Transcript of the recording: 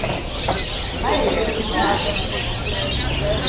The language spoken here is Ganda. Baleeta ekitanda.